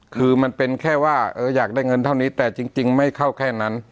คือมันเป็นแค่ว่าอยากได้เงินเท่านี้แต่จริงไม่เข้าแค่นั้น